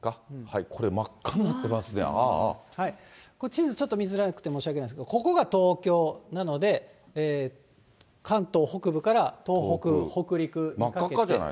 地図ちょっと見づらくて申し訳ない、ここが東京なので、関東北部から東北、北陸にかけて。